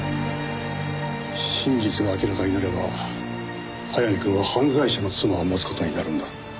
真実が明らかになれば早見くんは犯罪者の妻を持つ事になるんだ。